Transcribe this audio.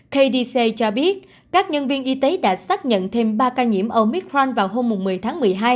kdc cho biết các nhân viên y tế đã xác nhận thêm ba ca nhiễm omitral vào hôm một mươi tháng một mươi hai